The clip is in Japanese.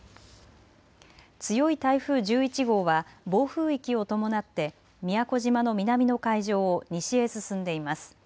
強い台風１１号は暴風域を伴って宮古島の南の海上を西へ進んでいます。